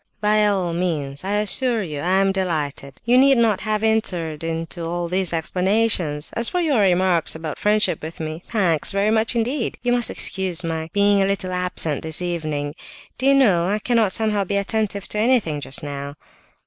"By all means! I assure you I am delighted—you need not have entered into all these explanations. As for your remarks about friendship with me—thanks, very much indeed. You must excuse my being a little absent this evening. Do you know, I cannot somehow be attentive to anything just now?"